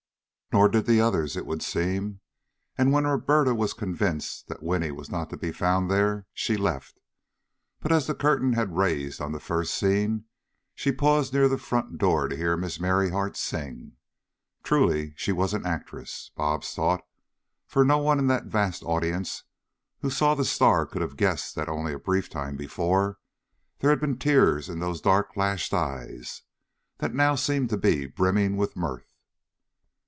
Nor did the others, it would seem, and when Roberta was convinced that Winnie was not to be found there, she left, but, as the curtain had raised on the first scene, she paused near the front door to hear Miss Merryheart sing. Truly she was an actress, Bobs thought, for no one in that vast audience who saw the star could have guessed that only a brief time before there had been tears in those dark lashed eyes that now seemed to be brimming with mirth.